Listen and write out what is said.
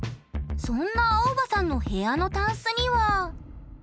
そんなアオバさんの部屋のタンスには。